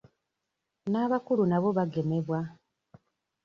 N'abakulu nabo bagemebwa.